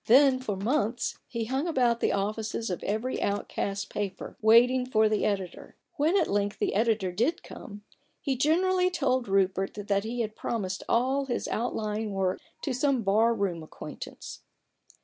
Then for months he hung about the offices of every outcast paper, waiting for the editor. When at length the editor did come, he generally told Rupert that he had promised all his outlying work to some bar room acquaintance.